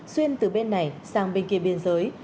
xuyên từ bên này sang bên kia biên giới